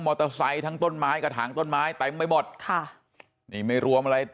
เตอร์ไซค์ทั้งต้นไม้กระถางต้นไม้เต็มไปหมดค่ะนี่ไม่รวมอะไร